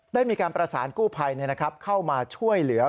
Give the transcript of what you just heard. ได้มีการประสานกู้ภัยเข้ามาช่วยเหลือ